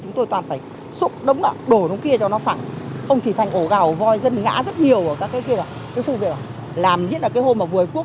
cô cứ phải xách nước té không té không ngồi được